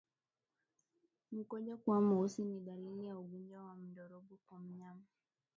Mkojo kuwa mweusi ni dalili ya ugonjwa wa ndorobo kwa mnyama